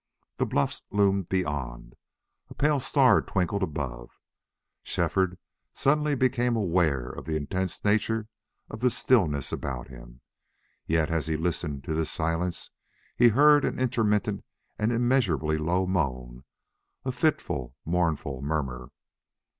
The bluffs loomed beyond. A pale star twinkled above. Shefford suddenly became aware of the intense nature of the stillness about him. Yet, as he listened to this silence, he heard an intermittent and immeasurably low moan, a fitful, mournful murmur.